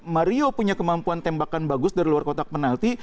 mario punya kemampuan tembakan bagus dari luar kotak penalti